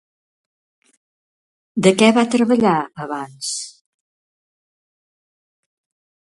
De què va treballar abans?